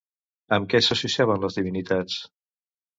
Amb què s'associaven les divinitats?